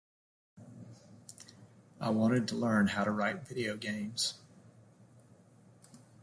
I wanted to learn how to write videogames.